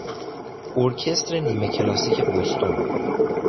ارکستر نیمه کلاسیک بوستون